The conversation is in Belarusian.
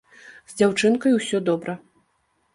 З дзяўчынкай усё добра.